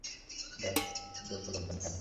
ব্যস যোগ্য লোকজন থাকবে।